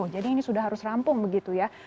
jadi ini sudah harus rampung begitu ya